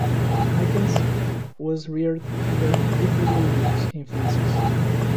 Aikens was reared under deeply religious influences.